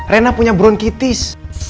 rena punya bronkitis